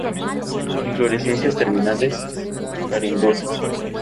Inflorescencias terminales corimbosas.